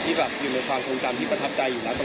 ทุกคนเรียนรู้ชีวิตด้วยกันมาก็แท่งเยอะ